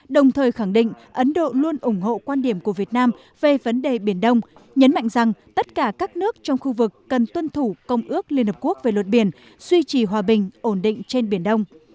đồng thời khẳng định ấn độ luôn ủng hộ quan điểm của việt nam về vấn đề biển đông nhấn mạnh rằng tất cả các nước trong khu vực cần tuân thủ công ước liên hợp quốc về luật biển suy trì hòa bình ổn định trên biển đông